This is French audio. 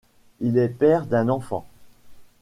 Il est père d'un enfant.